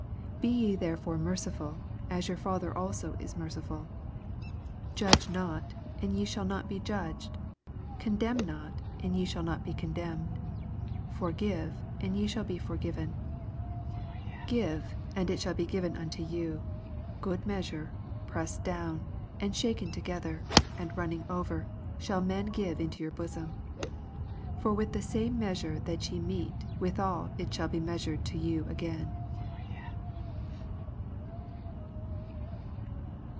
36 Be ye therefore merciful, as your Father also is merciful. 87 Judge not, and ye shaJl not he judged: condemn not^ and ye shall not be condemned : torgive, and ye shall be forgiven ; 38 Give, and it shall be given unto you : good measure, pressed down, and shaken together, and running over, shall men give into your bo£om. For with the same measure that ye mete withal it shall be measured to yo^i again.